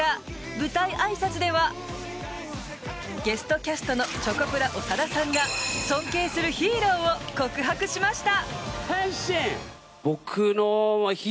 舞台あいさつではゲストキャストのチョコプラ長田さんが尊敬するヒーローを告白しました。